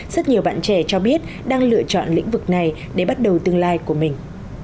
rất nhiều bạn trẻ cho biết đang lựa chọn lĩnh vực này để bắt đầu tương lai của mình